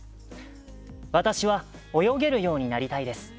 「私は泳げるようになりたいです。